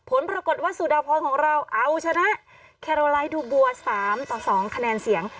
ผลปรากฏว่าสุดาพรของเราเอาชนะแคโรไลท์ดูบัว๓ต่อ๒คะแนนเสียง